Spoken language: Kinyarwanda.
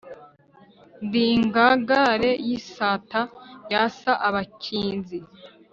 ndi ingangare y'isata yasa abakinzi,